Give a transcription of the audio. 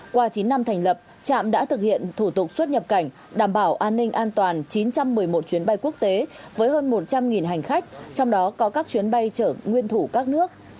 qua chín năm thành lập trạm đã thực hiện thủ tục xuất nhập cảnh đảm bảo an ninh an toàn chín trăm một mươi một chuyến bay quốc tế với hơn một trăm linh hành khách trong đó có các chuyến bay chở nguyên thủ các nước